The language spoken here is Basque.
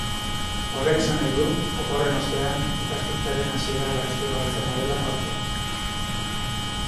Horrek esan nahi du oporren ostean ikasturtearen hasiera garestiagoa izango dela aurten.